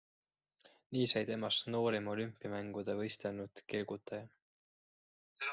Nii sai temast noorim olümpiamängudel võistelnud kelgutaja.